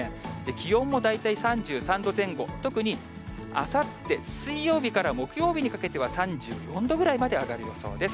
気温も大体３３度前後、特にあさって水曜日から木曜日にかけては３４度ぐらいまで上がる予想です。